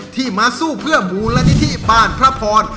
ที่มาสู้เพื่อมูลนิธิบ้านพระพร